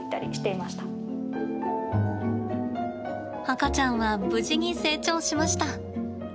赤ちゃんは無事に成長しました。